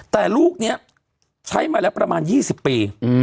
แต่ลูกนี้ใช้มาแล้วประมาณ๒๐ปี